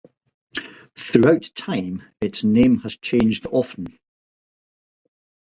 Throughout time its name has changed often.